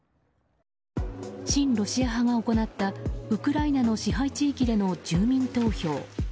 親ロシア派が行ったウクライナの支配地域での住民投票。